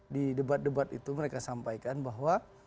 di debat debat itu mereka sampaikan bahwa